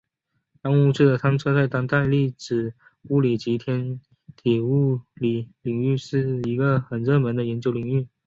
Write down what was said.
暗物质的探测在当代粒子物理及天体物理领域是一个很热门的研究领域。